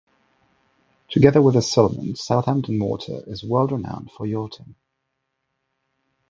Together with the Solent, Southampton Water is world-renowned for yachting.